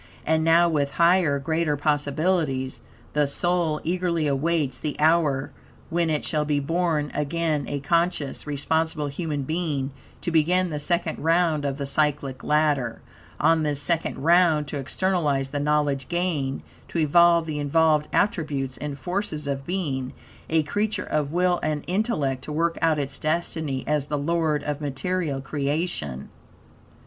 And now, with higher, greater possibilities, the soul eagerly awaits the hour when it shall be born again, a conscious, responsible human being, to begin the second round of the Cyclic Ladder; on this second round, to externalize the knowledge gained, to evolve the involved attributes and forces of being, a creature of will and intellect, to work out its destiny, as the lord of material creation.